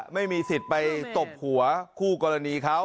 ไม่มีสิทธิ์ไปตบหัวคู่กรณีเขา